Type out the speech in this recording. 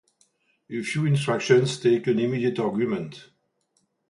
A few instructions take an immediate argument.